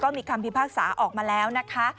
มีคำพิพากษาออกมาแล้วนะคะ